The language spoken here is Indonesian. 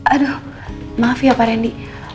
aduh maaf ya pak randy